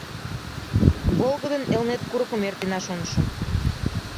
Волгыдын Элнет курыкым эртена, шонышым.